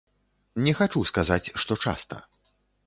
Не хачу сказаць, што часта.